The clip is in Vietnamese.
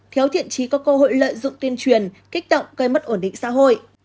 thiếu thiện trí có cơ hội lợi dụng tuyên truyền kích động gây mất ổn định xã hội